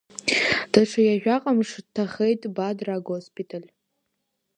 Даҽа ҩажәаҟа мшы дҭахеит Бадра агоспиталь.